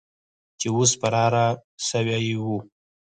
چې اوس فراره سوي وو.